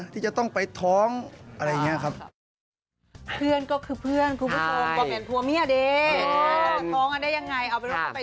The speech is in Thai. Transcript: ที่จะต้องไปท้องอะไรอย่างนี้ครับ